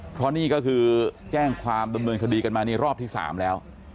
เพราะนี่ก็คือแจ้งความดำเนินคดีกันมานี่รอบที่๓แล้ว